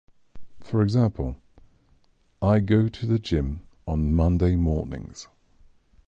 For example, "I go to the gym on Monday mornings."